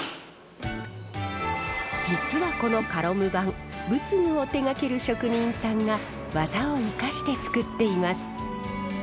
実はこのカロム盤仏具を手がける職人さんが技を生かして作っています。